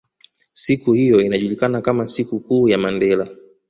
Siku hiyo inajulikana kama siku kuu ya Mandela